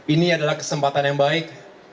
ini adalah kesempatan yang baik